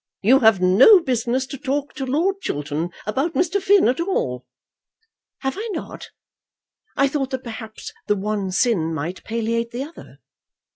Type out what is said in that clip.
"You have no business to talk to Lord Chiltern about Mr. Finn at all." "Have I not? I thought that perhaps the one sin might palliate the other.